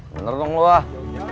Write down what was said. bener dong lu ah